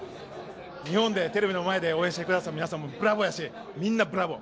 日本でテレビの前で応援してくれた皆さんもブラボーやし、みんなブラボー！